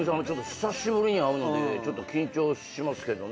久しぶりに会うのでちょっと緊張しますけどね。